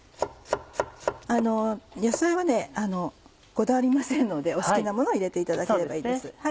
あの野菜はこだわりませんのでお好きなものを入れていただければいいです。